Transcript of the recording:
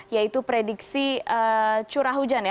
yaitu prediksi curah hujan ya